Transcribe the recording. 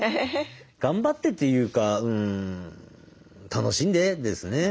頑張ってっていうか楽しんで！ですね。